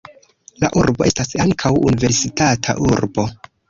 La urbo estas ankaŭ universitata urbo.